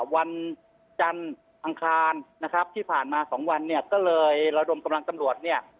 วันจันทร์อังคารนะครับที่ผ่านมาสองวันเนี่ยก็เลยระดมกำลังตำรวจเนี่ย